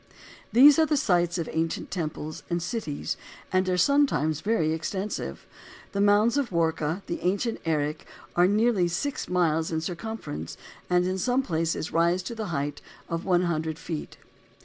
These are the sites of ancient temples and cities and are sometimes very extensive. The mounds of Warka, the ancient Erech, are nearly six miles in circumference and in some places rise to the height of one hundred feet.